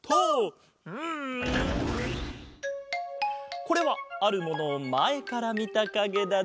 これはあるものをまえからみたかげだぞ。